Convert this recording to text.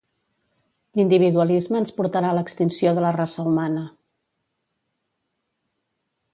L'individualisme ens portarà a l'extinció de la raça humana